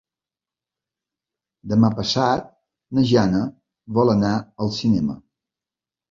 Demà passat na Jana vol anar al cinema.